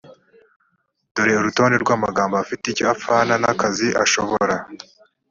dore urutonde rw amagambo afite icyo apfana n akazi ashobora